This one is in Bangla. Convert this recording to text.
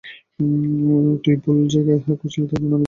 তুই ভুল জায়গায় খুঁজলে তার জন্য আমি দায়ী নই।